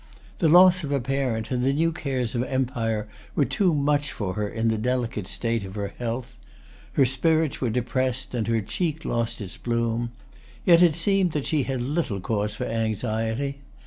The loss of a parent and the new cares of empire were too much for her in the delicate state of her health. Her spirits were depressed, and her cheek lost its bloom. Yet it seemed that she had little cause for anxiety.